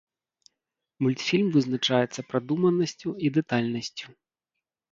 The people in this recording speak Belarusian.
Мультфільм вызначаецца прадуманасцю і дэтальнасцю.